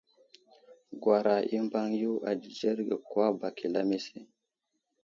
Gwara i Mbaŋ yo a dzidzerge kwa bak i lamise.